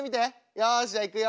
よしじゃあいくよ。